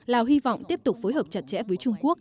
lào hy vọng tiếp tục phối hợp chặt chẽ với trung quốc